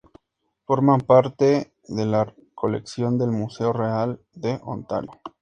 Forman parte de la colección del Museo Real de Ontario.